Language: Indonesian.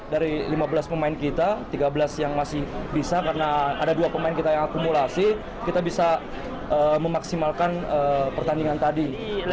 dari lima belas pemain kita tiga belas yang masih bisa karena ada dua pemain kita yang akumulasi kita bisa memaksimalkan pertandingan tadi